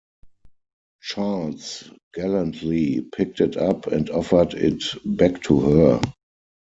Charles gallantly picked it up and offered it back to her.